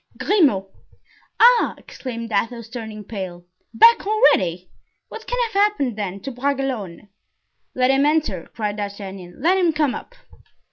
"Grimaud." "Ah!" exclaimed Athos, turning pale. "Back already! What can have happened, then, to Bragelonne?" "Let him enter," cried D'Artagnan; "let him come up."